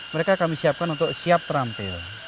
mereka kami siapkan untuk siap terampil